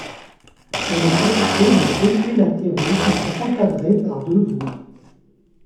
Elle est équipée de deux quais latéraux qui sont encadrés par deux voies.